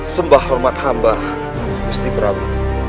sembah hormat hamba gusti prabu